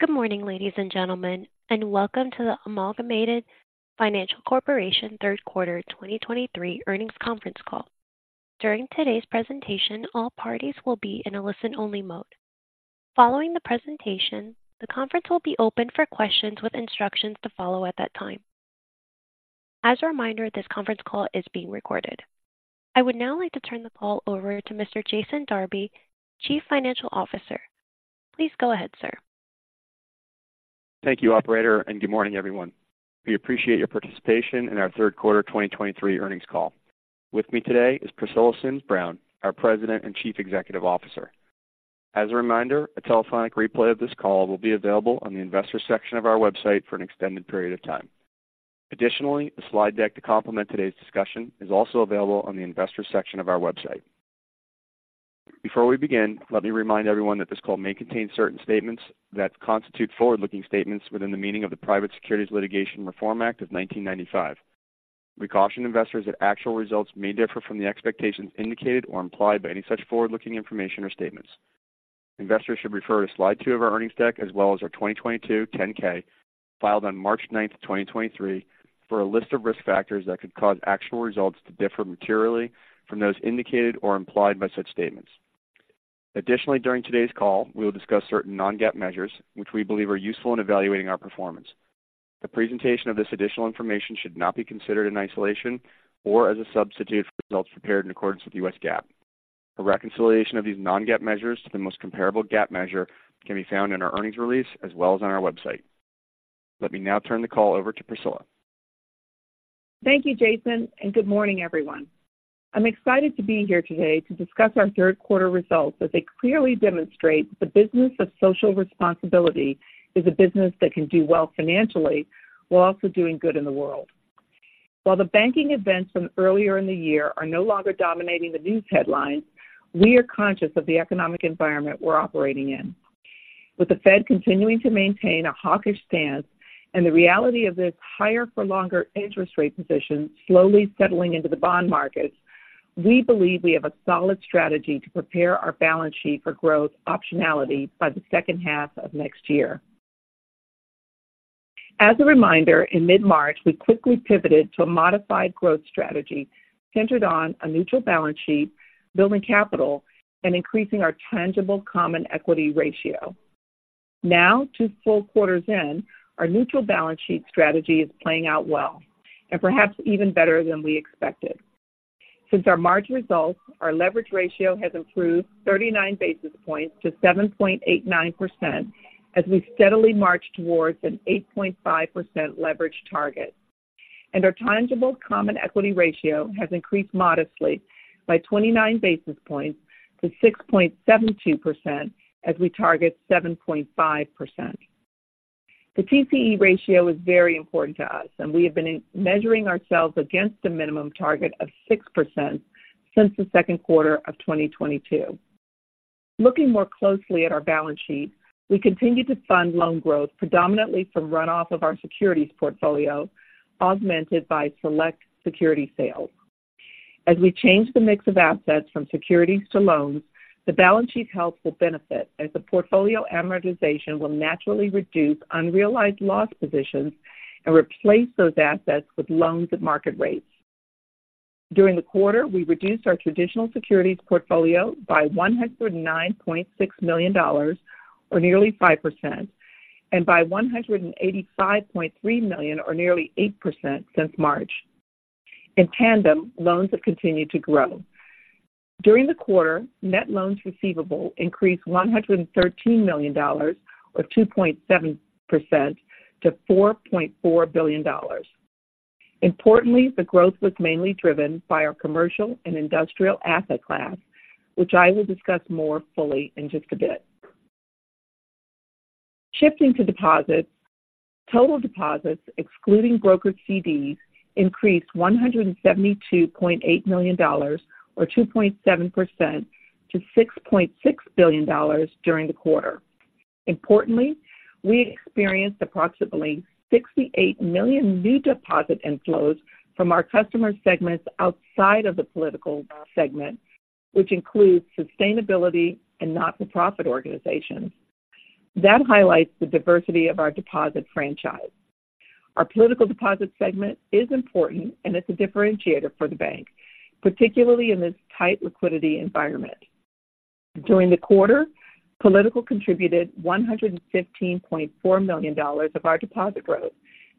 Good morning, ladies and gentlemen, and welcome to the Amalgamated Financial Corporation Third Quarter 2023 Earnings Conference Call. During today's presentation, all parties will be in a listen-only mode. Following the presentation, the conference will be open for questions with instructions to follow at that time. As a reminder, this conference call is being recorded. I would now like to turn the call over to Mr. Jason Darby, Chief Financial Officer. Please go ahead, sir. Thank you, operator, and good morning, everyone. We appreciate your participation in our third quarter 2023 earnings call. With me today is Priscilla Sims Brown, our President and Chief Executive Officer. As a reminder, a telephonic replay of this call will be available on the Investors section of our website for an extended period of time. Additionally, a slide deck to complement today's discussion is also available on the Investors section of our website. Before we begin, let me remind everyone that this call may contain certain statements that constitute forward-looking statements within the meaning of the Private Securities Litigation Reform Act of 1995. We caution investors that actual results may differ from the expectations indicated or implied by any such forward-looking information or statements. Investors should refer to slide two of our earnings deck, as well as our 2022 10-K, filed on March 9, 2023, for a list of risk factors that could cause actual results to differ materially from those indicated or implied by such statements. Additionally, during today's call, we will discuss certain non-GAAP measures, which we believe are useful in evaluating our performance. The presentation of this additional information should not be considered in isolation or as a substitute for results prepared in accordance with U.S. GAAP. A reconciliation of these non-GAAP measures to the most comparable GAAP measure can be found in our earnings release as well as on our website. Let me now turn the call over to Priscilla. Thank you, Jason, and good morning, everyone. I'm excited to be here today to discuss our third quarter results, as they clearly demonstrate the business of social responsibility is a business that can do well financially while also doing good in the world. While the banking events from earlier in the year are no longer dominating the news headlines, we are conscious of the economic environment we're operating in. With the Fed continuing to maintain a hawkish stance and the reality of this higher-for-longer interest rate position slowly settling into the bond markets, we believe we have a solid strategy to prepare our balance sheet for growth optionality by the second half of next year. As a reminder, in mid-March, we quickly pivoted to a modified growth strategy centered on a neutral balance sheet, building capital, and increasing our tangible common equity ratio. Now, two full quarters in, our neutral balance sheet strategy is playing out well and perhaps even better than we expected. Since our March results, our leverage ratio has improved 39 basis points to 7.89% as we steadily march towards an 8.5% leverage target. Our tangible common equity ratio has increased modestly by 29 basis points to 6.72%, as we target 7.5%. The TCE ratio is very important to us, and we have been measuring ourselves against a minimum target of 6% since the second quarter of 2022. Looking more closely at our balance sheet, we continue to fund loan growth predominantly from runoff of our securities portfolio, augmented by select security sales. As we change the mix of assets from securities to loans, the balance sheet health will benefit as the portfolio amortization will naturally reduce unrealized loss positions and replace those assets with loans at market rates. During the quarter, we reduced our traditional securities portfolio by $109.6 million, or nearly 5%, and by $185.3 million, or nearly 8% since March. In tandem, loans have continued to grow. During the quarter, net loans receivable increased $113 million or 2.7% to $4.4 billion. Importantly, the growth was mainly driven by our commercial and industrial asset class, which I will discuss more fully in just a bit. Shifting to deposits. Total deposits, excluding brokered CDs, increased $172.8 million or 2.7% to $6.6 billion during the quarter. Importantly, we experienced approximately $68 million new deposit inflows from our customer segments outside of the political segment, which includes sustainability and not-for-profit organizations. That highlights the diversity of our deposit franchise. Our political deposit segment is important and it's a differentiator for the bank, particularly in this tight liquidity environment. During the quarter, political contributed $115.4 million of our deposit growth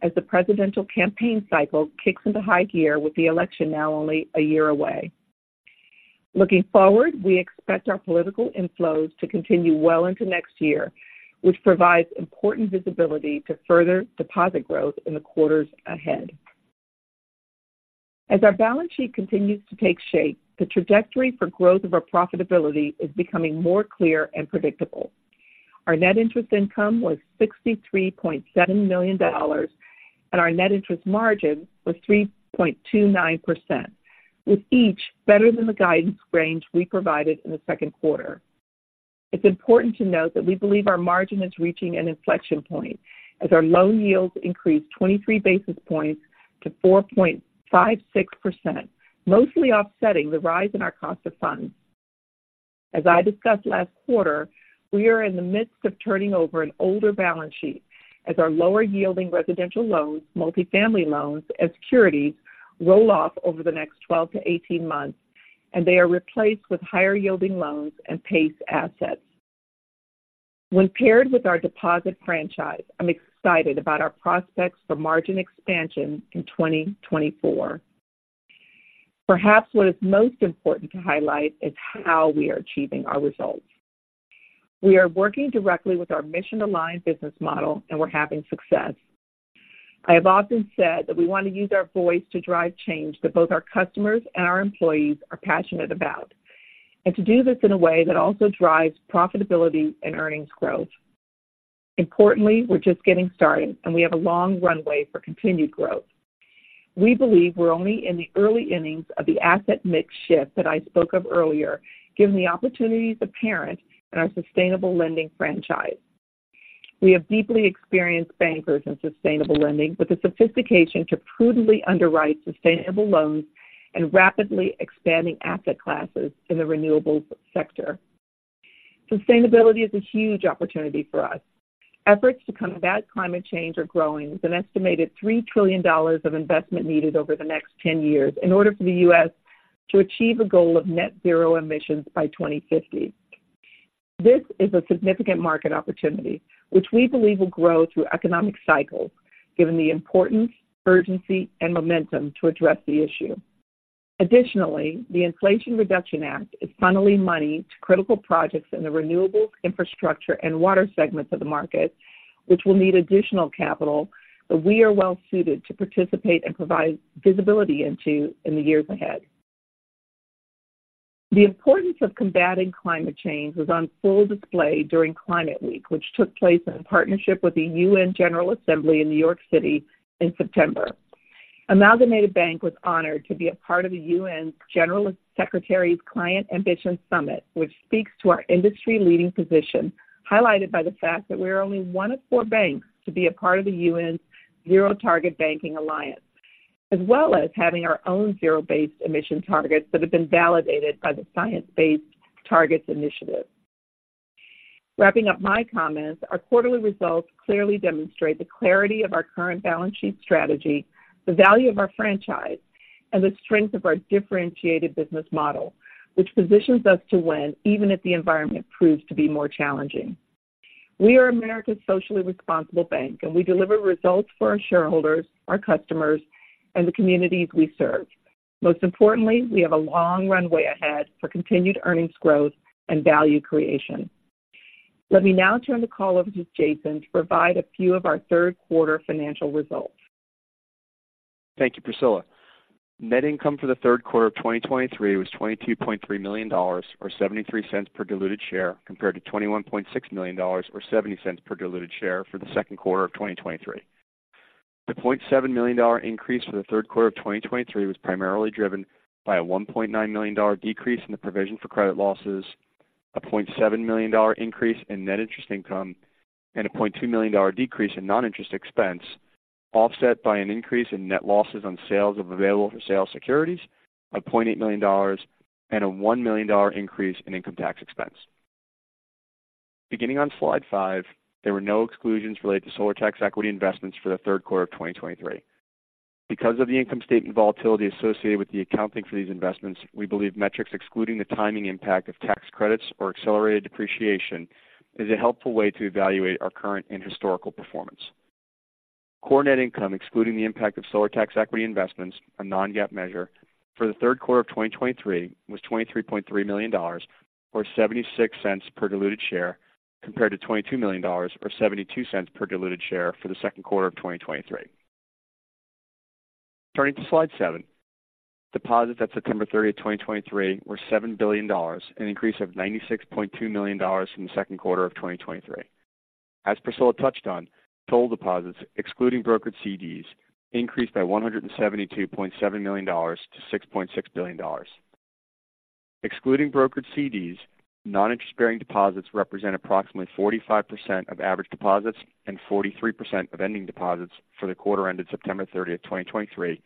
as the presidential campaign cycle kicks into high gear with the election now only a year away. Looking forward, we expect our political inflows to continue well into next year, which provides important visibility to further deposit growth in the quarters ahead. As our balance sheet continues to take shape, the trajectory for growth of our profitability is becoming more clear and predictable. Our net interest income was $63.7 million and our net interest margin was 3.29%, with each better than the guidance range we provided in the second quarter. It's important to note that we believe our margin is reaching an inflection point as our loan yields increased 23 basis points to 4.56%, mostly offsetting the rise in our cost of funds. As I discussed last quarter, we are in the midst of turning over an older balance sheet as our lower yielding residential loans, multifamily loans, and securities roll off over the next 12-18 months, and they are replaced with higher yielding loans and PACE assets. When paired with our deposit franchise, I'm excited about our prospects for margin expansion in 2024. Perhaps what is most important to highlight is how we are achieving our results. We are working directly with our mission aligned business model, and we're having success. I have often said that we want to use our voice to drive change that both our customers and our employees are passionate about, and to do this in a way that also drives profitability and earnings growth. Importantly, we're just getting started and we have a long runway for continued growth. We believe we're only in the early innings of the asset mix shift that I spoke of earlier, given the opportunities apparent in our sustainable lending franchise. We have deeply experienced bankers in sustainable lending with the sophistication to prudently underwrite sustainable loans and rapidly expanding asset classes in the renewables sector. Sustainability is a huge opportunity for us. Efforts to combat climate change are growing, with an estimated $3 trillion of investment needed over the next 10 years in order for the U.S. to achieve a goal of net zero emissions by 2050. This is a significant market opportunity which we believe will grow through economic cycles, given the importance, urgency and momentum to address the issue. Additionally, the Inflation Reduction Act is funneling money to critical projects in the renewables, infrastructure and water segments of the market, which will need additional capital that we are well suited to participate and provide visibility into in the years ahead. The importance of combating climate change was on full display during Climate Week, which took place in partnership with the UN General Assembly in New York City in September. Amalgamated Bank was honored to be a part of the UN Secretary-General's Client Ambition Summit, which speaks to our industry-leading position, highlighted by the fact that we are only one of four banks to be a part of the UN Net-Zero Banking Alliance, as well as having our own zero-based emission targets that have been validated by the Science Based Targets initiative. Wrapping up my comments, our quarterly results clearly demonstrate the clarity of our current balance sheet strategy, the value of our franchise, and the strength of our differentiated business model, which positions us to win even if the environment proves to be more challenging. We are America's socially responsible bank, and we deliver results for our shareholders, our customers, and the communities we serve. Most importantly, we have a long runway ahead for continued earnings growth and value creation. Let me now turn the call over to Jason to provide a few of our third quarter financial results. Thank you, Priscilla. Net income for the third quarter of 2023 was $22.3 million, or $0.73 per diluted share, compared to $21.6 million or $0.70 per diluted share for the second quarter of 2023. The $0.7 million increase for the third quarter of 2023 was primarily driven by a $1.9 million decrease in the provision for credit losses, a $0.7 million increase in net interest income, and a $0.2 million decrease in non-interest expense, offset by an increase in net losses on sales of available for sale securities of $0.8 million and a $1 million increase in income tax expense. Beginning on slide five, there were no exclusions related to solar tax equity investments for the third quarter of 2023. Because of the income statement volatility associated with the accounting for these investments, we believe metrics excluding the timing impact of tax credits or accelerated depreciation is a helpful way to evaluate our current and historical performance. Core net income, excluding the impact of solar tax equity investments, a non-GAAP measure for the third quarter of 2023 was $23.3 million, or $0.76 per diluted share, compared to $22 million or $0.72 per diluted share for the second quarter of 2023. Turning to slide seven, deposits at September 30, 2023 were $7 billion, an increase of $96.2 million from the second quarter of 2023. As Priscilla touched on, total deposits excluding brokered CDs increased by $172.7 million to $6.6 billion. Excluding brokered CDs, non-interest bearing deposits represent approximately 45% of average deposits and 43% of ending deposits for the quarter ended September 30, 2023,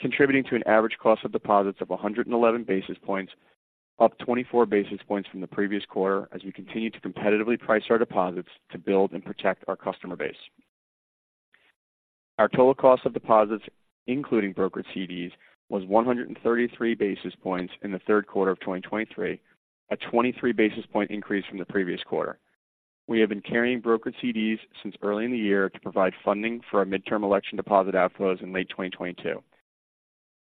contributing to an average cost of deposits of 111 basis points, up 24 basis points from the previous quarter as we continue to competitively price our deposits to build and protect our customer base. Our total cost of deposits, including brokered CDs, was 133 basis points in the third quarter of 2023, a 23 basis point increase from the previous quarter. We have been carrying brokered CDs since early in the year to provide funding for our midterm election deposit outflows in late 2022.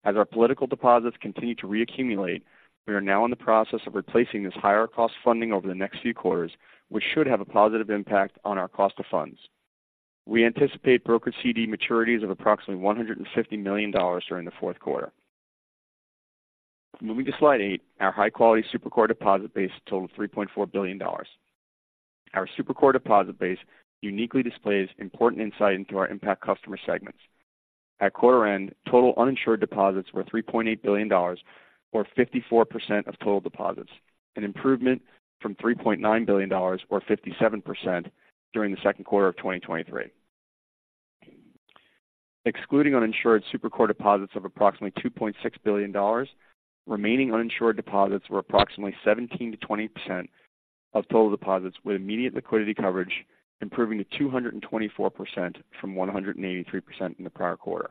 As our political deposits continue to reaccumulate, we are now in the process of replacing this higher cost funding over the next few quarters, which should have a positive impact on our cost of funds. We anticipate brokered CD maturities of approximately $150 million during the fourth quarter. Moving to slide eight. Our high quality Super Core deposit base totaled $3.4 billion. Our Super Core deposit base uniquely displays important insight into our impact customer segments. At quarter end, total uninsured deposits were $3.8 billion, or 54% of total deposits, an improvement from $3.9 billion, or 57%, during the second quarter of 2023. Excluding uninsured super core deposits of approximately $2.6 billion, remaining uninsured deposits were approximately 17%-20% of total deposits, with immediate liquidity coverage improving to 224% from 183% in the prior quarter.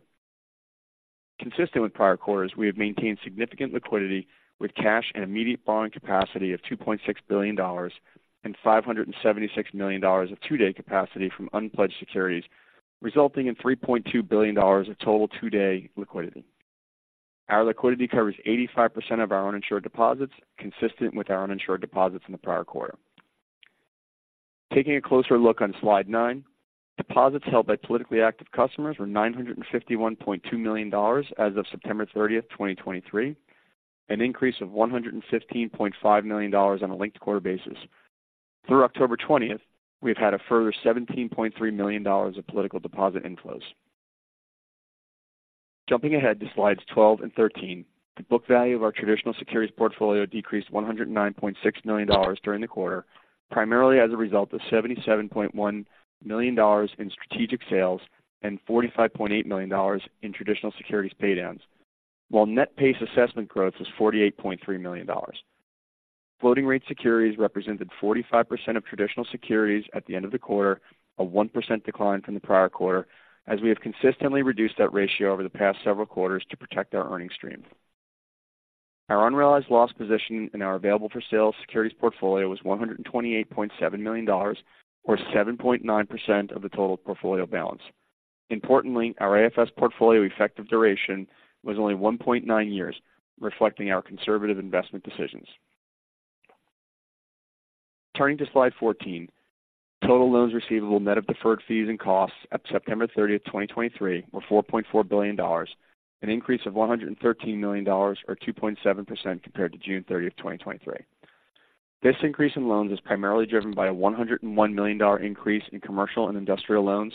Consistent with prior quarters, we have maintained significant liquidity with cash and immediate borrowing capacity of $2.6 billion and $576 million of two-day capacity from unpledged securities, resulting in $3.2 billion of total two-day liquidity. Our liquidity covers 85% of our uninsured deposits, consistent with our uninsured deposits in the prior quarter. Taking a closer look on slide nine, deposits held by politically active customers were $951.2 million as of September 30, 2023, an increase of $115.5 million on a linked quarter basis. Through October 20, we've had a further $17.3 million of political deposit inflows. Jumping ahead to slides 12 and 13, the book value of our traditional securities portfolio decreased $109.6 million during the quarter, primarily as a result of $77.1 million in strategic sales and $45.8 million in traditional securities pay downs. While net PACE assessment growth was $48.3 million. Floating rate securities represented 45% of traditional securities at the end of the quarter, a 1% decline from the prior quarter as we have consistently reduced that ratio over the past several quarters to protect our earnings stream. Our unrealized loss position in our available-for-sale securities portfolio was $128.7 million, or 7.9% of the total portfolio balance. Importantly, our AFS portfolio effective duration was only 1.9 years, reflecting our conservative investment decisions. Turning to Slide 14, total loans receivable net of deferred fees and costs at September 30, 2023, were $4.4 billion, an increase of $113 million, or 2.7% compared to June 30, 2023. This increase in loans is primarily driven by a $101 million increase in commercial and industrial loans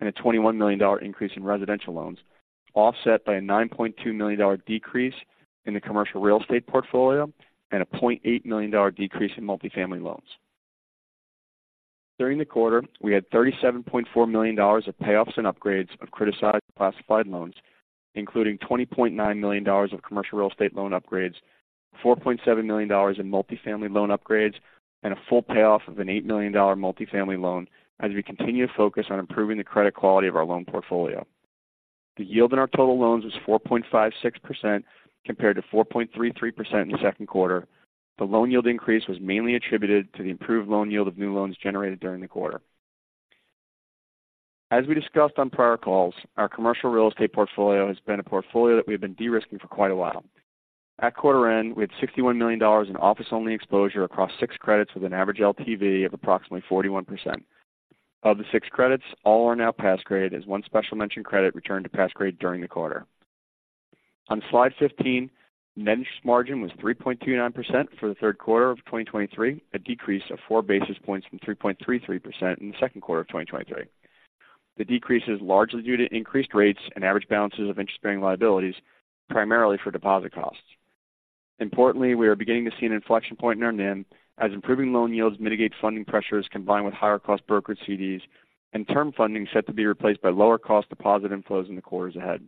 and a $21 million increase in residential loans, offset by a $9.2 million decrease in the commercial real estate portfolio and a $0.8 million decrease in multifamily loans. During the quarter, we had $37.4 million of payoffs and upgrades of criticized classified loans, including $20.9 million of commercial real estate loan upgrades, $4.7 million in multifamily loan upgrades, and a full payoff of an $8 million multifamily loan as we continue to focus on improving the credit quality of our loan portfolio. The yield on our total loans was 4.56% compared to 4.33% in the second quarter. The loan yield increase was mainly attributed to the improved loan yield of new loans generated during the quarter. As we discussed on prior calls, our commercial real estate portfolio has been a portfolio that we've been de-risking for quite a while. At quarter end, we had $61 million in office-only exposure across six credits, with an average LTV of approximately 41%. Of the six credits, all are now Pass grade, as one special mention credit returned to Pass grade during the quarter. On slide 15, net interest margin was 3.29% for the third quarter of 2023, a decrease of 4 basis points from 3.33% in the second quarter of 2023. The decrease is largely due to increased rates and average balances of interest-bearing liabilities, primarily for deposit costs. Importantly, we are beginning to see an inflection point in our NIM as improving loan yields mitigate funding pressures, combined with higher cost brokered CDs and term funding set to be replaced by lower cost deposit inflows in the quarters ahead.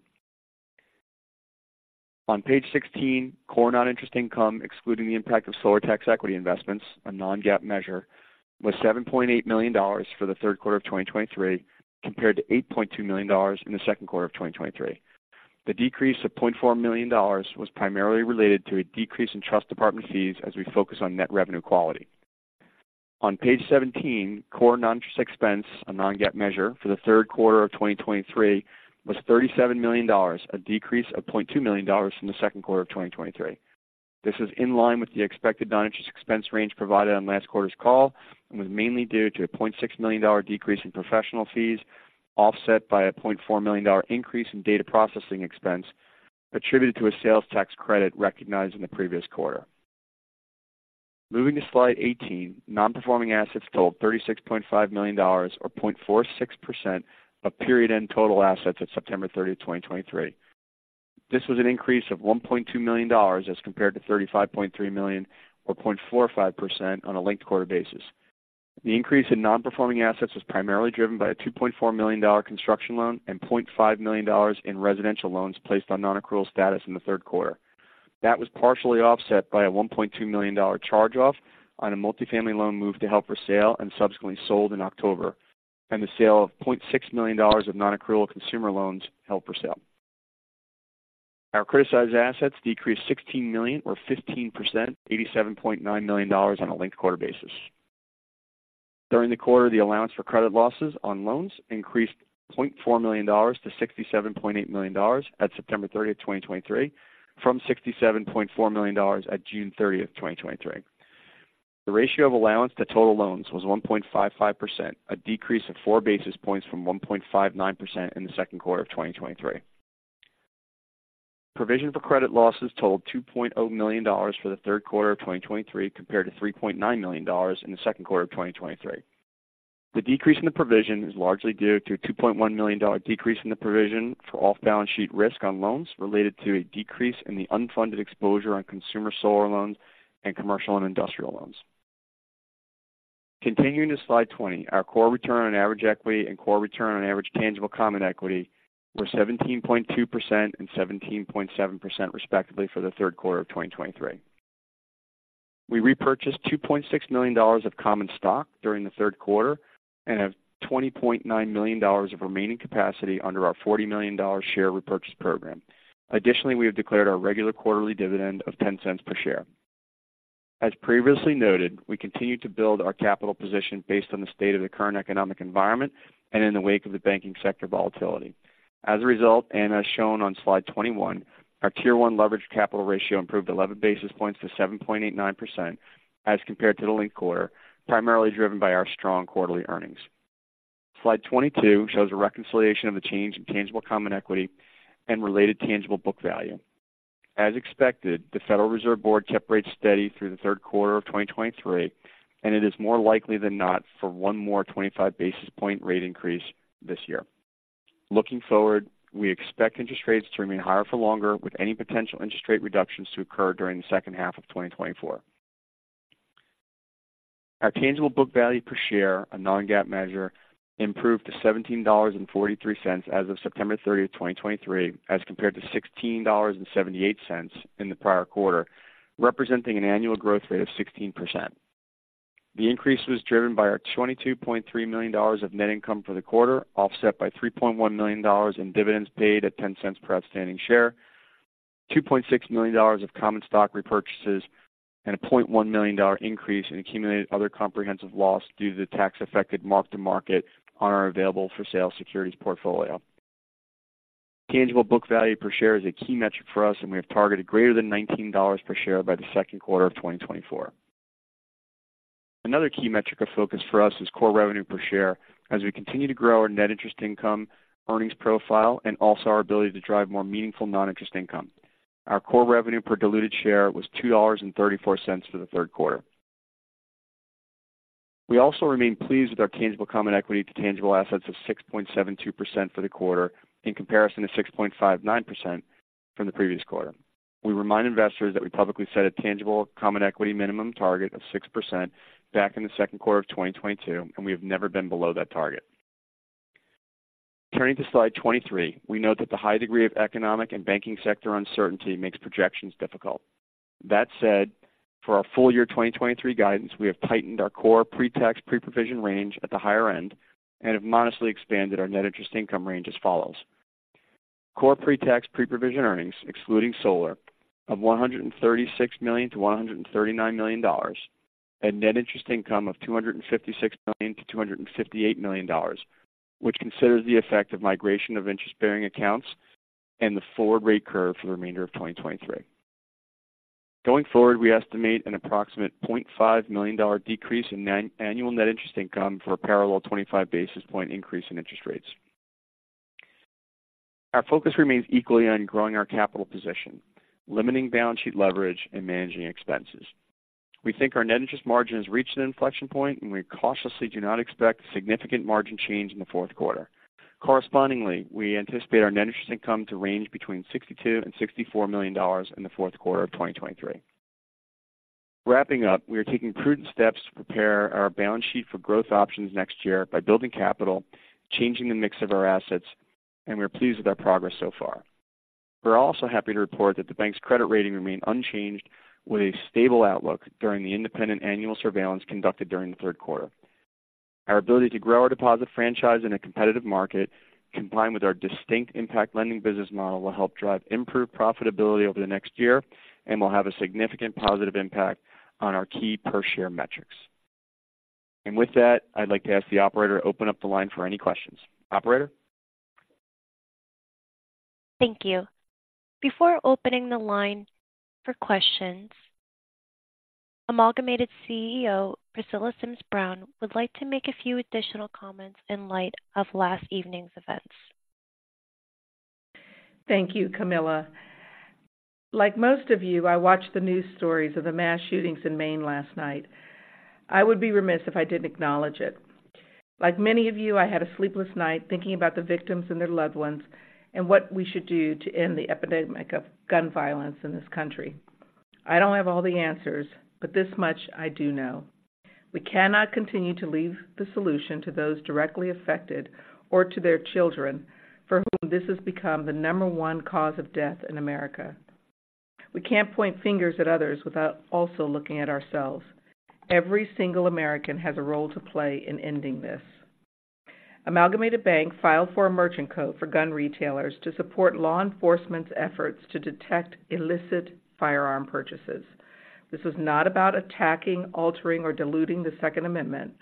On page 16, core non-interest income, excluding the impact of solar tax equity investments, a non-GAAP measure, was $7.8 million for the third quarter of 2023, compared to $8.2 million in the second quarter of 2023. The decrease of $0.4 million was primarily related to a decrease in trust department fees as we focus on net revenue quality. On page 17, core non-interest expense, a non-GAAP measure for the third quarter of 2023, was $37 million, a decrease of $0.2 million from the second quarter of 2023. This is in line with the expected non-interest expense range provided on last quarter's call and was mainly due to a $0.6 million decrease in professional fees, offset by a $0.4 million increase in data processing expense attributed to a sales tax credit recognized in the previous quarter. Moving to slide 18, non-performing assets totaled $36.5 million, or 0.46% of period-end total assets at September 30, 2023. This was an increase of $1.2 million as compared to $35.3 million, or 0.45% on a linked quarter basis. The increase in non-performing assets was primarily driven by a $2.4 million construction loan and $0.5 million in residential loans placed on non-accrual status in the third quarter. That was partially offset by a $1.2 million charge-off on a multifamily loan moved to held for sale and subsequently sold in October, and the sale of $0.6 million of non-accrual consumer loans held for sale. Our criticized assets decreased 16 million, or 15%, $87.9 million on a linked quarter basis. During the quarter, the allowance for credit losses on loans increased $0.4 million to $67.8 million at September 30, 2023, from $67.4 million at June 30, 2023. The ratio of allowance to total loans was 1.55%, a decrease of 4 basis points from 1.59% in the second quarter of 2023. Provision for credit losses totaled $2.0 million for the third quarter of 2023, compared to $3.9 million in the second quarter of 2023. The decrease in the provision is largely due to a $2.1 million decrease in the provision for off-balance sheet risk on loans related to a decrease in the unfunded exposure on consumer solar loans and commercial and industrial loans. Continuing to slide 20, our core return on average equity and core return on average tangible common equity were 17.2% and 17.7%, respectively, for the third quarter of 2023. We repurchased $2.6 million of common stock during the third quarter and have $20.9 million of remaining capacity under our $40 million share repurchase program. Additionally, we have declared our regular quarterly dividend of $0.10 per share. As previously noted, we continue to build our capital position based on the state of the current economic environment and in the wake of the banking sector volatility. As a result, and as shown on slide 21, our Tier 1 leverage capital ratio improved 11 basis points to 7.89% as compared to the linked quarter, primarily driven by our strong quarterly earnings. Slide 22 shows a reconciliation of the change in tangible common equity and related tangible book value. As expected, the Federal Reserve Board kept rates steady through the third quarter of 2023, and it is more likely than not for one more 25 basis point rate increase this year. Looking forward, we expect interest rates to remain higher for longer, with any potential interest rate reductions to occur during the second half of 2024. Our tangible book value per share, a non-GAAP measure, improved to $17.43 as of September 30, 2023, as compared to $16.78 in the prior quarter, representing an annual growth rate of 16%. The increase was driven by our $22.3 million of net income for the quarter, offset by $3.1 million in dividends paid at $0.10 per outstanding share, $2.6 million of common stock repurchases, and a $0.1 million increase in accumulated other comprehensive loss due to the tax affected mark-to-market on our available for sale securities portfolio. Tangible book value per share is a key metric for us, and we have targeted greater than $19 per share by the second quarter of 2024. Another key metric of focus for us is core revenue per share as we continue to grow our net interest income, earnings profile, and also our ability to drive more meaningful non-interest income. Our core revenue per diluted share was $2.34 for the third quarter. We also remain pleased with our tangible common equity to tangible assets of 6.72% for the quarter, in comparison to 6.59% from the previous quarter. We remind investors that we publicly set a tangible common equity minimum target of 6% back in the second quarter of 2022, and we have never been below that target. Turning to slide 23, we note that the high degree of economic and banking sector uncertainty makes projections difficult. That said, for our full year 2023 guidance, we have tightened our core pre-tax, pre-provision range at the higher end and have modestly expanded our net interest income range as follows: core pre-tax, pre-provision earnings excluding solar of $136 million-$139 million, and net interest income of $256 million-$258 million, which considers the effect of migration of interest-bearing accounts and the forward rate curve for the remainder of 2023. Going forward, we estimate an approximate $0.5 million decrease in annual net interest income for a parallel 25 basis point increase in interest rates. Our focus remains equally on growing our capital position, limiting balance sheet leverage and managing expenses. We think our net interest margin has reached an inflection point, and we cautiously do not expect significant margin change in the fourth quarter. Correspondingly, we anticipate our net interest income to range between $62 million and $64 million in the fourth quarter of 2023. Wrapping up, we are taking prudent steps to prepare our balance sheet for growth options next year by building capital, changing the mix of our assets, and we are pleased with our progress so far. We're also happy to report that the bank's credit rating remained unchanged with a stable outlook during the independent annual surveillance conducted during the third quarter. Our ability to grow our deposit franchise in a competitive market, combined with our distinct impact lending business model, will help drive improved profitability over the next year and will have a significant positive impact on our key per share metrics. With that, I'd like to ask the operator to open up the line for any questions. Operator? Thank you. Before opening the line for questions, Amalgamated CEO Priscilla Sims Brown would like to make a few additional comments in light of last evening's events. Thank you, Camilla. Like most of you, I watched the news stories of the mass shootings in Maine last night. I would be remiss if I didn't acknowledge it. Like many of you, I had a sleepless night thinking about the victims and their loved ones and what we should do to end the epidemic of gun violence in this country. I don't have all the answers, but this much I do know: we cannot continue to leave the solution to those directly affected or to their children, for whom this has become the number one cause of death in America. We can't point fingers at others without also looking at ourselves. Every single American has a role to play in ending this. Amalgamated Bank filed for a merchant code for gun retailers to support law enforcement's efforts to detect illicit firearm purchases. This is not about attacking, altering, or diluting the Second Amendment.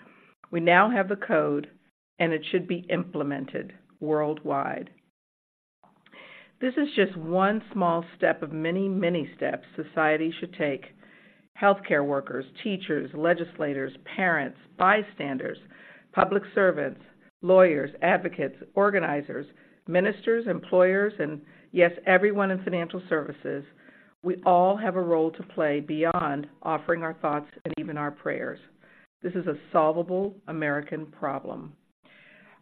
We now have the code, and it should be implemented worldwide. This is just one small step of many, many steps society should take. Healthcare workers, teachers, legislators, parents, bystanders, public servants, lawyers, advocates, organizers, ministers, employers, and yes, everyone in financial services, we all have a role to play beyond offering our thoughts and even our prayers. This is a solvable American problem.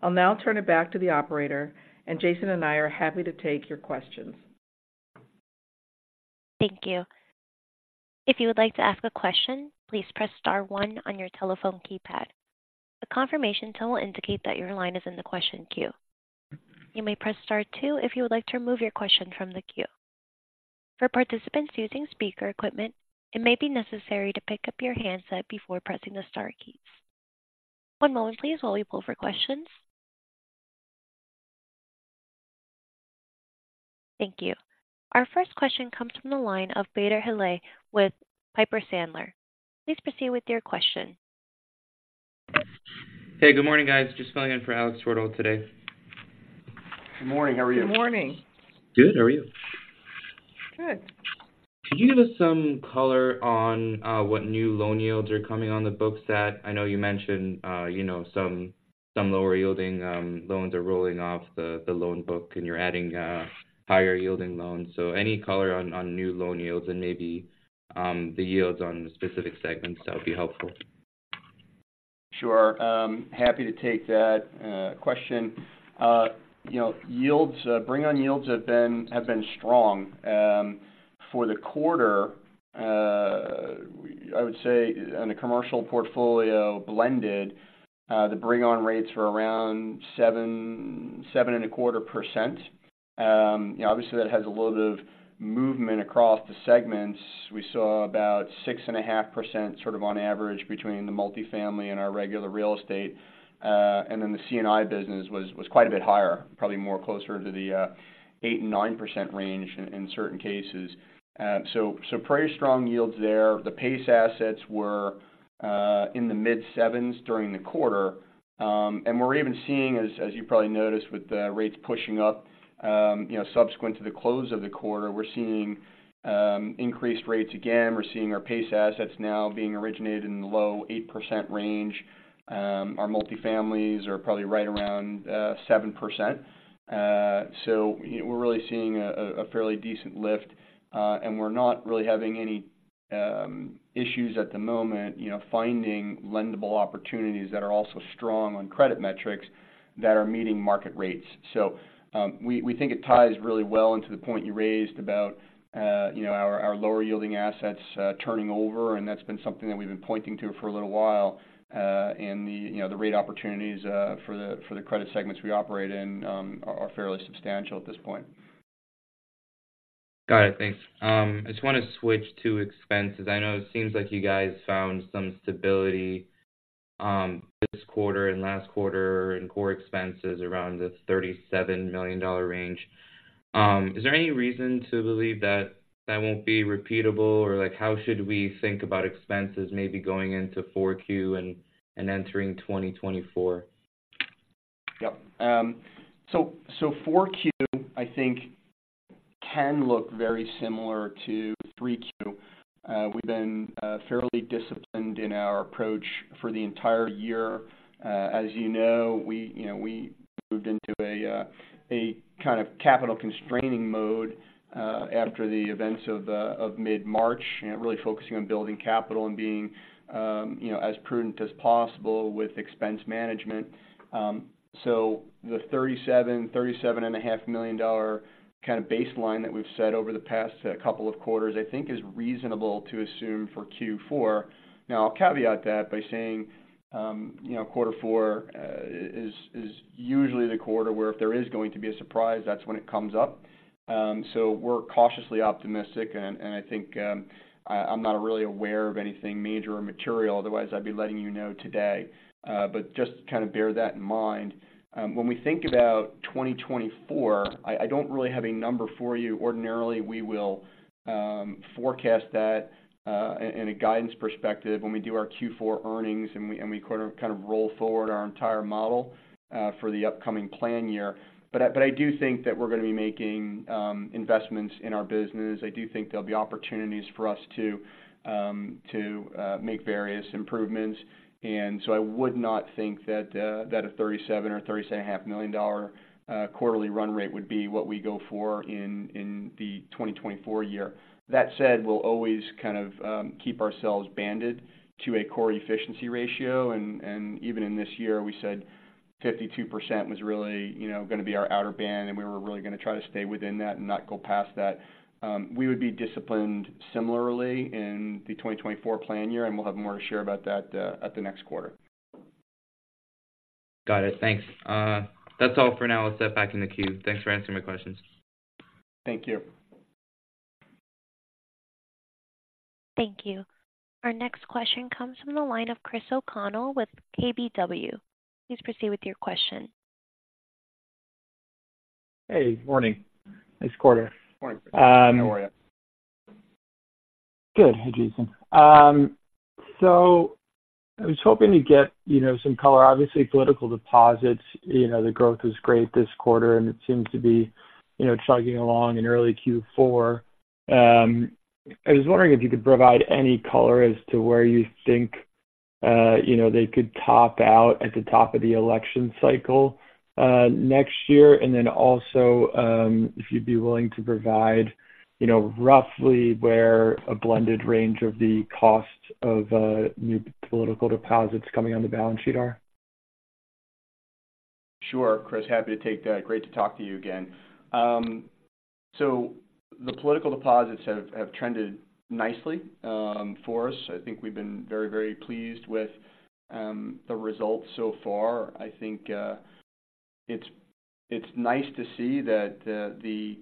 I'll now turn it back to the operator, and Jason and I are happy to take your questions. Thank you. If you would like to ask a question, please press star one on your telephone keypad. A confirmation tone will indicate that your line is in the question queue. You may press star two if you would like to remove your question from the queue. For participants using speaker equipment, it may be necessary to pick up your handset before pressing the star keys. One moment please, while we pull for questions. Thank you. Our first question comes from the line of Peter Hally with Piper Sandler. Please proceed with your question. Hey, good morning, guys. Just filling in for Alex Randall today. Good morning. How are you? Good morning. Good. How are you? Good. Could you give us some color on what new loan yields are coming on the books at? I know you mentioned you know some lower yielding loans are rolling off the loan book and you're adding higher yielding loans. So any color on new loan yields and maybe the yields on the specific segments, that would be helpful. Sure. Happy to take that question. You know, yields, bring on yields have been strong. For the quarter, I would say on the commercial portfolio, blended, the bring on rates were around 7%-7.25%. You know, obviously, that has a little bit of movement across the segments. We saw about 6.5%, sort of on average between the multifamily and our regular real estate. And then the C&I business was quite a bit higher, probably more closer to the 8%-9% range in certain cases. So, pretty strong yields there. The PACE assets were in the mid-7s during the quarter. And we're even seeing, as you probably noticed, with the rates pushing up, you know, subsequent to the close of the quarter, we're seeing increased rates again. We're seeing our pace assets now being originated in the low 8% range. Our multifamilies are probably right around 7%. So we're really seeing a fairly decent lift, and we're not really having any issues at the moment, you know, finding lendable opportunities that are also strong on credit metrics that are meeting market rates. So we think it ties really well into the point you raised about, you know, our lower yielding assets turning over, and that's been something that we've been pointing to for a little while. And the, you know, the rate opportunities for the credit segments we operate in are fairly substantial at this point. Got it. Thanks. I just want to switch to expenses. I know it seems like you guys found some stability, this quarter and last quarter in core expenses around the $37 million range. Is there any reason to believe that that won't be repeatable? Or like, how should we think about expenses maybe going into Q4 and, and entering 2024? Yep. So 4Q, I think, can look very similar to 3Q. We've been fairly disciplined in our approach for the entire year. As you know, we, you know, we moved into a kind of capital constraining mode after the events of mid-March, you know, really focusing on building capital and being, you know, as prudent as possible with expense management. So the $37 million-$37.5 million kind of baseline that we've set over the past couple of quarters, I think is reasonable to assume for 4Q. Now, I'll caveat that by saying, you know, quarter four is usually the quarter where if there is going to be a surprise, that's when it comes up. So we're cautiously optimistic, and I think, I'm not really aware of anything major or material, otherwise I'd be letting you know today. But just kind of bear that in mind. When we think about 2024, I don't really have a number for you. Ordinarily, we will forecast that, in a guidance perspective when we do our Q4 earnings and we kind of roll forward our entire model, for the upcoming plan year. But I do think that we're going to be making investments in our business. I do think there'll be opportunities for us to make various improvements, and so I would not think that a $37 million or $37.5 million quarterly run rate would be what we go for in the 2024 year. That said, we'll always kind of keep ourselves banded to a core efficiency ratio, and even in this year, we said 52% was really, you know, going to be our outer band, and we were really going to try to stay within that and not go past that. We would be disciplined similarly in the 2024 plan year, and we'll have more to share about that at the next quarter. Got it. Thanks. That's all for now. I'll step back in the queue. Thanks for answering my questions. Thank you. Thank you. Our next question comes from the line of Chris O'Connell with KBW. Please proceed with your question. Hey, morning. Nice quarter. Morning. How are you? Good. Hey, Jason. So I was hoping to get, you know, some color. Obviously, political deposits, you know, the growth was great this quarter, and it seems to be, you know, chugging along in early Q4. I was wondering if you could provide any color as to where you think, you know, they could top out at the top of the election cycle, next year, and then also, if you'd be willing to provide, you know, roughly where a blended range of the cost of, new political deposits coming on the balance sheet are? Sure, Chris, happy to take that. Great to talk to you again. So the political deposits have trended nicely for us. I think we've been very, very pleased with the results so far. I think it's nice to see that the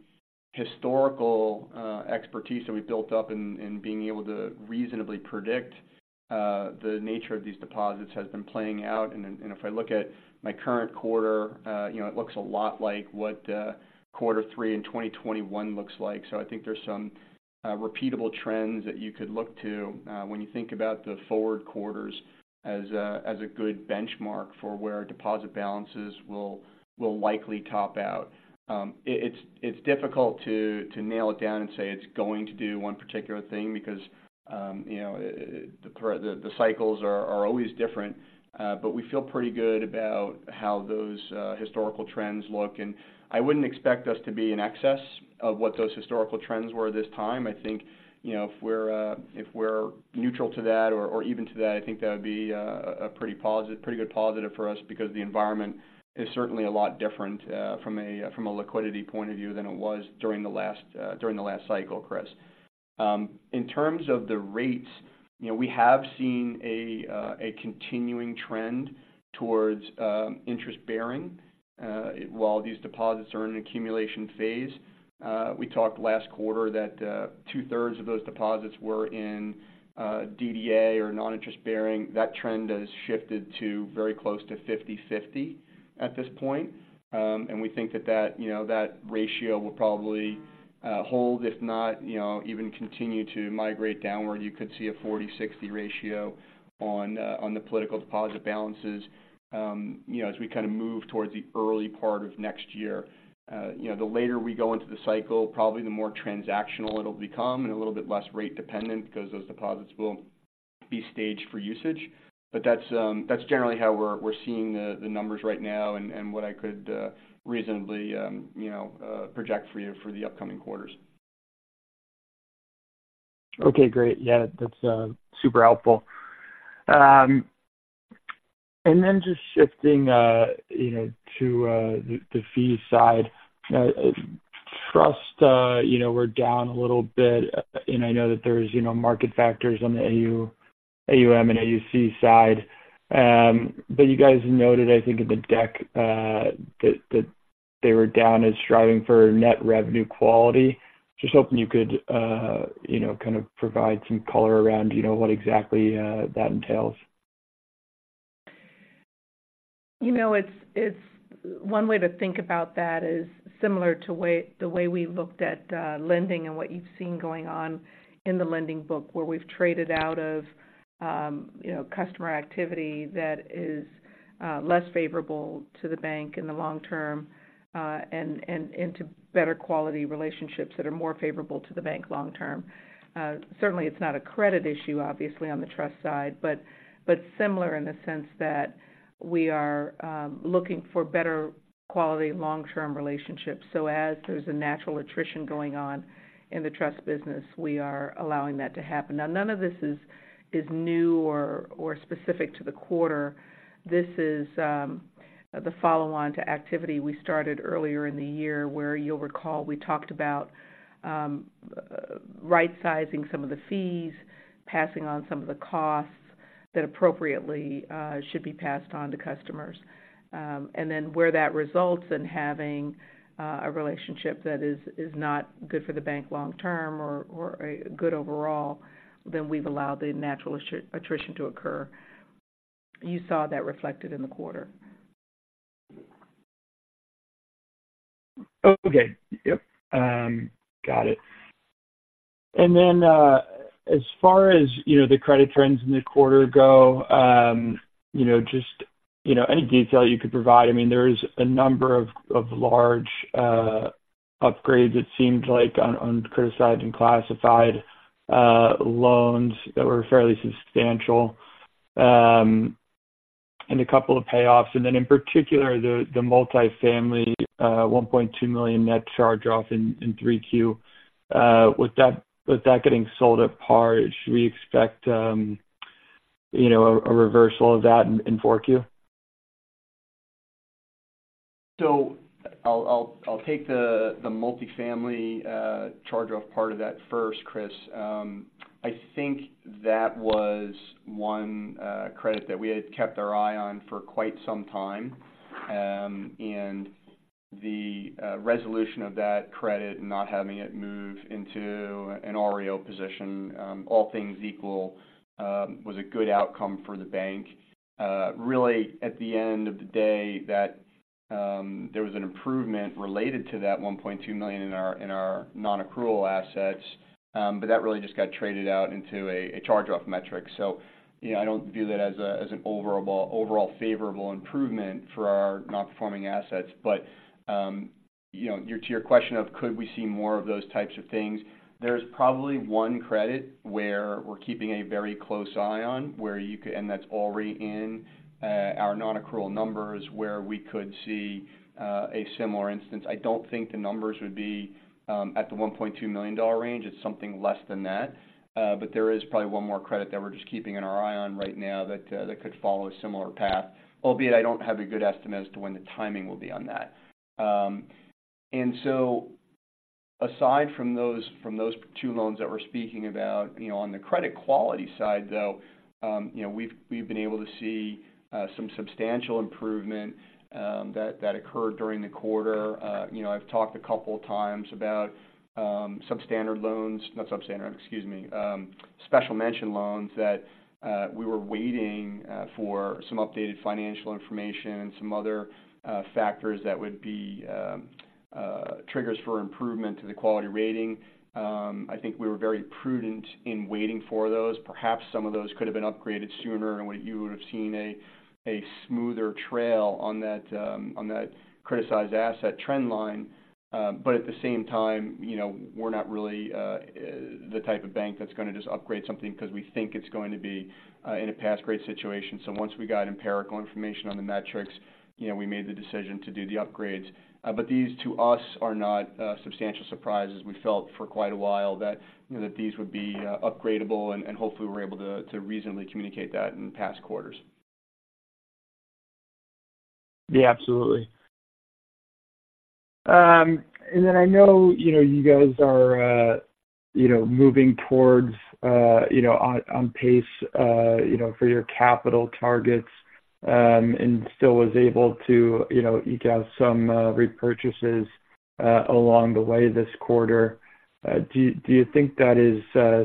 historical expertise that we built up in being able to reasonably predict the nature of these deposits has been playing out. And if I look at my current quarter, you know, it looks a lot like what quarter three in 2021 looks like. So I think there's some repeatable trends that you could look to when you think about the forward quarters as a good benchmark for where our deposit balances will likely top out. It's difficult to nail it down and say it's going to do one particular thing because, you know, the cycles are always different. But we feel pretty good about how those historical trends look. And I wouldn't expect us to be in excess of what those historical trends were this time. I think, you know, if we're neutral to that or even to that, I think that would be a pretty positive, pretty good positive for us because the environment is certainly a lot different from a liquidity point of view than it was during the last cycle, Chris. In terms of the rates, you know, we have seen a continuing trend towards interest-bearing while these deposits are in an accumulation phase. We talked last quarter that 2/3 of those deposits were in DDA or non-interest-bearing. That trend has shifted to very close to 50/50 at this point. And we think that that, you know, that ratio will probably hold, if not, you know, even continue to migrate downward. You could see a 40/60 ratio on the political deposit balances, you know, as we kind of move towards the early part of next year. You know, the later we go into the cycle, probably the more transactional it'll become and a little bit less rate dependent because those deposits will be staged for usage. But that's generally how we're seeing the numbers right now and what I could reasonably, you know, project for you for the upcoming quarters. Okay, great. Yeah, that's super helpful. And then just shifting, you know, to the fee side. Trust, you know, we're down a little bit, and I know that there's, you know, market factors on the AUM and AUC side. But you guys noted, I think, in the deck, that they were down as striving for net revenue quality. Just hoping you could, you know, kind of provide some color around, you know, what exactly that entails. You know, it's one way to think about that is similar to the way we looked at lending and what you've seen going on in the lending book, where we've traded out of, you know, customer activity that is less favorable to the bank in the long term, and into better quality relationships that are more favorable to the bank long term. Certainly it's not a credit issue, obviously, on the trust side, but similar in the sense that we are looking for better quality long-term relationships. So as there's a natural attrition going on in the Trust business, we are allowing that to happen. Now, none of this is new or specific to the quarter. This is the follow-on to activity we started earlier in the year, where you'll recall, we talked about right-sizing some of the fees, passing on some of the costs that appropriately should be passed on to customers. And then where that results in having a relationship that is not good for the bank long term or good overall, then we've allowed the natural attrition to occur. You saw that reflected in the quarter. Okay. Yep, got it. And then, as far as you know, the credit trends in the quarter go, you know, just, you know, any detail you could provide. I mean, there's a number of large upgrades it seemed like on criticized and classified loans that were fairly substantial, and a couple of payoffs. And then, in particular, the multifamily $1.2 million net charge-off in 3Q. With that getting sold at par, should we expect, you know, a reversal of that in 4Q? So I'll take the multifamily charge-off part of that first, Chris. I think that was one credit that we had kept our eye on for quite some time. And the resolution of that credit and not having it move into an REO position, all things equal, was a good outcome for the bank. Really, at the end of the day, that there was an improvement related to that $1.2 million in our nonaccrual assets, but that really just got traded out into a charge-off metric. So you know, I don't view that as an overall favorable improvement for our nonperforming assets. But you know, to your question of could we see more of those types of things? There's probably one credit where we're keeping a very close eye on where you could—and that's already in our nonaccrual numbers—where we could see a similar instance. I don't think the numbers would be at the $1.2 million range. It's something less than that. But there is probably one more credit that we're just keeping our eye on right now that could follow a similar path. Albeit, I don't have a good estimate as to when the timing will be on that. Aside from those two loans that we're speaking about, you know, on the credit quality side, though, you know, we've been able to see some substantial improvement that occurred during the quarter. You know, I've talked a couple of times about substandard loans—not substandard, excuse me, special mention loans that we were waiting for some updated financial information and some other factors that would be triggers for improvement to the quality rating. I think we were very prudent in waiting for those. Perhaps some of those could have been upgraded sooner, and what you would have seen a smoother trail on that on that criticized asset trend line. But at the same time, you know, we're not really the type of bank that's gonna just upgrade something because we think it's going to be in a past great situation. So once we got empirical information on the metrics, you know, we made the decision to do the upgrades. But these, to us, are not substantial surprises. We felt for quite a while that, you know, that these would be upgradable, and hopefully we were able to reasonably communicate that in the past quarters. Yeah, absolutely. And then I know, you know, you guys are, you know, moving towards, you know, on pace, you know, for your capital targets, and still was able to, you know, eke out some repurchases along the way this quarter. Do you think that is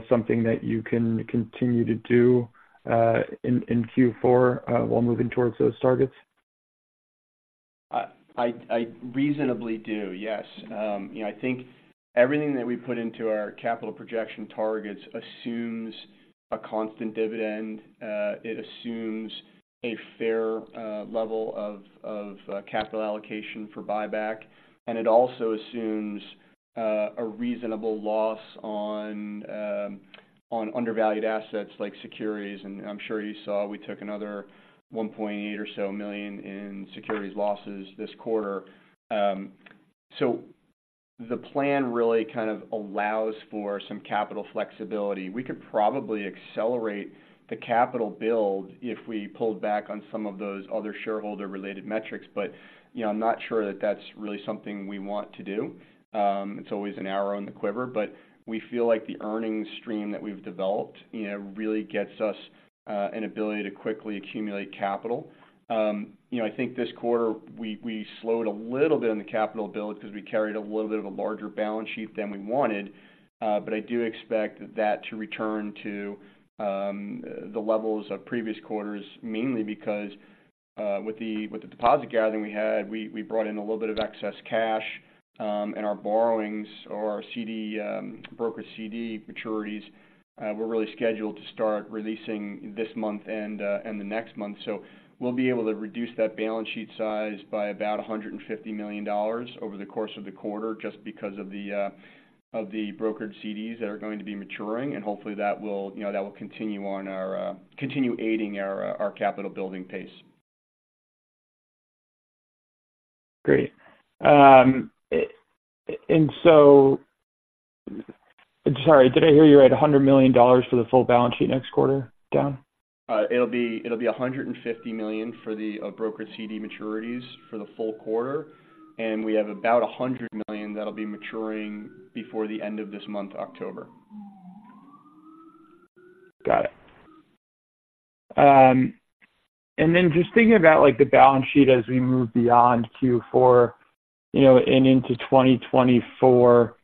something that you can continue to do in Q4 while moving towards those targets? I reasonably do. Yes. You know, I think everything that we put into our capital projection targets assumes a constant dividend. It assumes a fair level of capital allocation for buyback, and it also assumes a reasonable loss on undervalued assets like securities. And I'm sure you saw we took another $1.8 million or so in securities losses this quarter. So the plan really kind of allows for some capital flexibility. We could probably accelerate the capital build if we pulled back on some of those other shareholder-related metrics, but you know, I'm not sure that that's really something we want to do. It's always an arrow in the quiver, but we feel like the earnings stream that we've developed, you know, really gets us an ability to quickly accumulate capital. You know, I think this quarter, we slowed a little bit on the capital build because we carried a little bit of a larger balance sheet than we wanted. But I do expect that to return to the levels of previous quarters, mainly because with the deposit gathering we had, we brought in a little bit of excess cash, and our borrowings or our brokered CD maturities were really scheduled to start releasing this month and the next month. We'll be able to reduce that balance sheet size by about $150 million over the course of the quarter, just because of the brokered CDs that are going to be maturing, and hopefully that will, you know, that will continue on our, continue aiding our, our capital building pace. Great. Sorry, did I hear you right? $100 million for the full balance sheet next quarter down? It'll be $150 million for the brokered CD maturities for the full quarter, and we have about $100 million that'll be maturing before the end of this month, October. Got it. And then just thinking about, like, the balance sheet as we move beyond Q4, you know, and into 2024.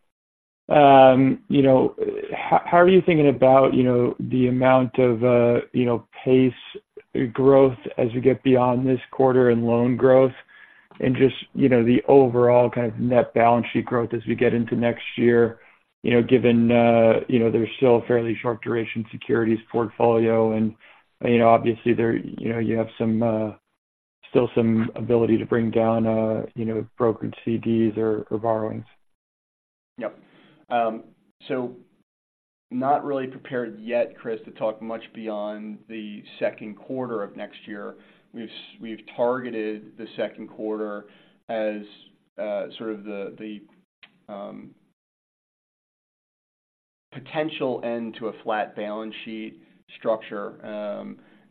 How are you thinking about, you know, the amount of, you know, PACE growth as we get beyond this quarter and loan growth and just, you know, the overall kind of net balance sheet growth as we get into next year, you know, given, you know, there's still a fairly short duration securities portfolio and, you know, obviously, there, you know, you have some, still some ability to bring down, you know, brokered CDs or, or borrowings. Yep. So not really prepared yet, Chris, to talk much beyond the second quarter of next year. We've targeted the second quarter as sort of the potential end to a flat balance sheet structure.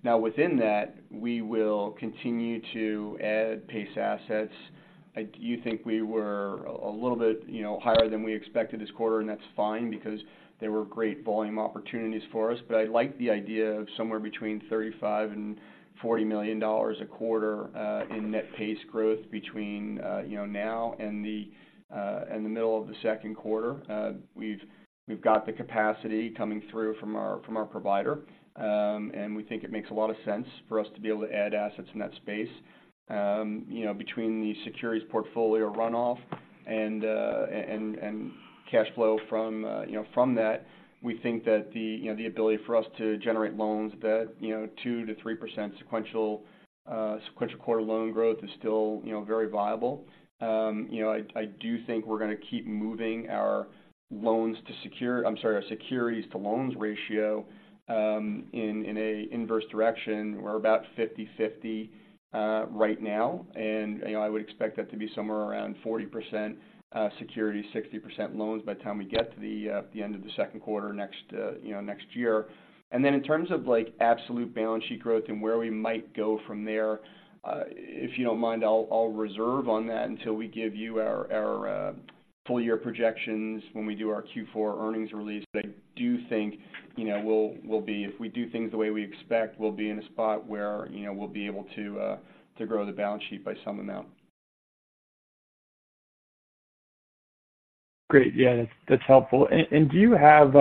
Now, within that, we will continue to add PACE assets. I do think we were a little bit, you know, higher than we expected this quarter, and that's fine because they were great volume opportunities for us. But I like the idea of somewhere between $35 million and $40 million a quarter in net PACE growth between, you know, now and the middle of the second quarter. We've got the capacity coming through from our provider. And we think it makes a lot of sense for us to be able to add assets in that space. You know, between the securities portfolio runoff and, and cash flow from, you know, from that, we think that the, you know, the ability for us to generate loans that, you know, 2%-3% sequential, sequential quarter loan growth is still, you know, very viable. You know, I do think we're gonna keep moving our securities to loans ratio in an inverse direction. We're about 50/50 right now, and, you know, I would expect that to be somewhere around 40% securities, 60% loans by the time we get to the end of the second quarter next, you know, next year. And then in terms of, like, absolute balance sheet growth and where we might go from there, if you don't mind, I'll reserve on that until we give you our full year projections when we do our Q4 earnings release. But I do think, you know, we'll be-- if we do things the way we expect, we'll be in a spot where, you know, we'll be able to to grow the balance sheet by some amount. Great. Yeah, that's helpful. And do you have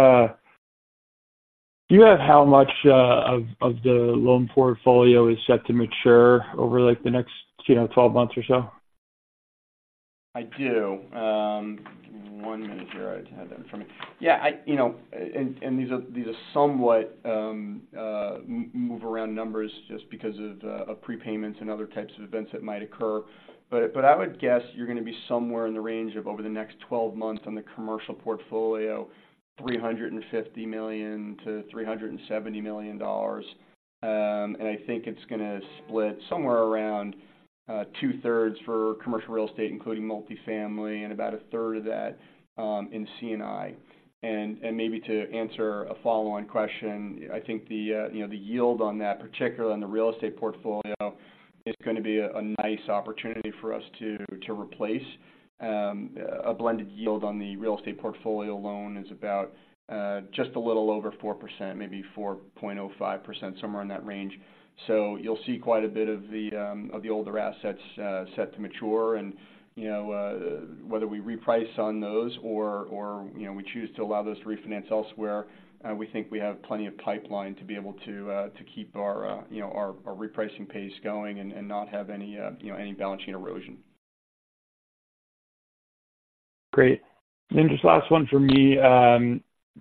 how much of the loan portfolio is set to mature over, like, the next, you know, 12 months or so? I do. Give me one minute here. I have that information. Yeah, I, you know, these are somewhat move-around numbers just because of prepayments and other types of events that might occur. I would guess you're gonna be somewhere in the range of over the next 12 months on the commercial portfolio, $350 million-$370 million. I think it's gonna split somewhere around two-thirds for commercial real estate, including multifamily, and about a third of that in C&I. Maybe to answer a follow-on question, I think the, you know, the yield on that, particularly on the real estate portfolio, is gonna be a nice opportunity for us to replace. A blended yield on the real estate portfolio loan is about just a little over 4%, maybe 4.05%, somewhere in that range. So you'll see quite a bit of the older assets set to mature. And you know whether we reprice on those or you know we choose to allow those to refinance elsewhere we think we have plenty of pipeline to be able to keep our you know our repricing pace going and not have any you know any balance sheet erosion. Great. Then just last one for me.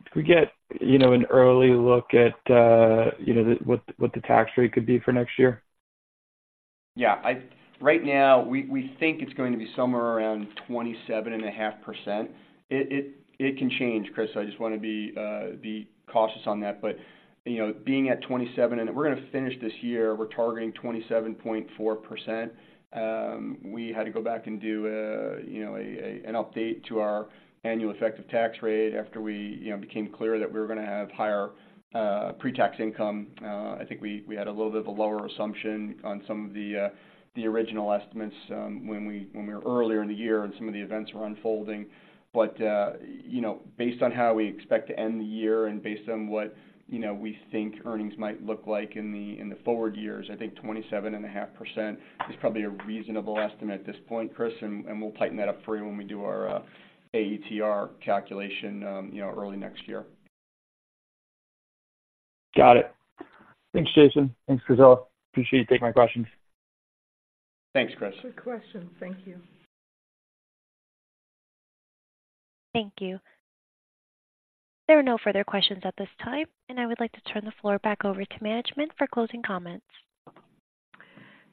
Could we get, you know, an early look at, you know, the... what, what the tax rate could be for next year? Yeah, right now, we think it's going to be somewhere around 27.5%. It can change, Chris. I just want to be cautious on that. But, you know, being at 27%, and we're gonna finish this year, we're targeting 27.4%. We had to go back and do, you know, an update to our annual effective tax rate after we, you know, became clear that we were gonna have higher pre-tax income. I think we had a little bit of a lower assumption on some of the original estimates, when we were earlier in the year and some of the events were unfolding. But, you know, based on how we expect to end the year and based on what, you know, we think earnings might look like in the, in the forward years, I think 27.5% is probably a reasonable estimate at this point, Chris, and, and we'll tighten that up for you when we do our, AETR calculation, you know, early next year. Got it. Thanks, Jason. Thanks, Priscilla. Appreciate you taking my questions. Thanks, Chris. Good question. Thank you. Thank you. There are no further questions at this time, and I would like to turn the floor back over to management for closing comments.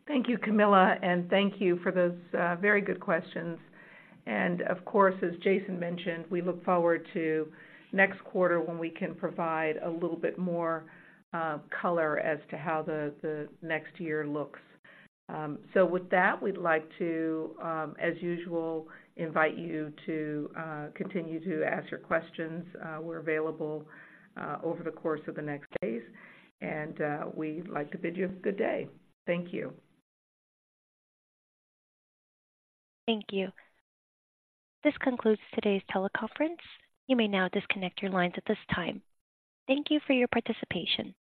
Thank you, Camilla, and thank you for those very good questions. And of course, as Jason mentioned, we look forward to next quarter when we can provide a little bit more color as to how the next year looks. So with that, we'd like to, as usual, invite you to continue to ask your questions. We're available over the course of the next days, and we'd like to bid you a good day. Thank you. Thank you. This concludes today's teleconference. You may now disconnect your lines at this time. Thank you for your participation.